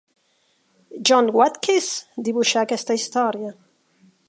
John Watkiss dibuixa aquesta història.